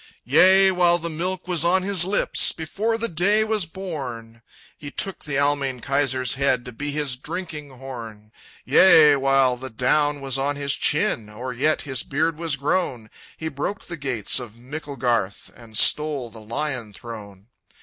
"Yea, while the milk was on his lips, Before the day was born, He took the Almayne Kaiser's head To be his drinking horn! "Yea, while the down was on his chin, Or yet his beard was grown, He broke the gates of Micklegarth, And stole the lion throne!